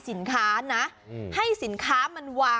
นี่คือเทคนิคการขาย